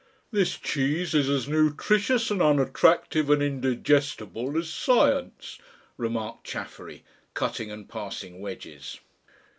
"This cheese is as nutritious and unattractive and indigestible as Science," remarked Chaffery, cutting and passing wedges.